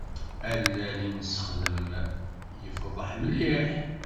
Allal i nessexdem yefḍeḥ mliḥ.